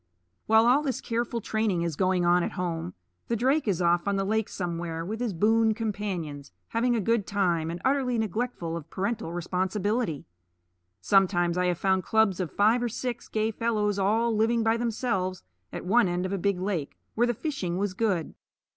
While all this careful training is going on at home, the drake is off on the lakes somewhere with his boon companions, having a good time, and utterly neglectful of parental responsibility. Sometimes I have found clubs of five or six, gay fellows all, living by themselves at one end of a big lake where the fishing was good.